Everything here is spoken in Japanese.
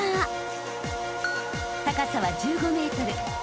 ［高さは１５ｍ］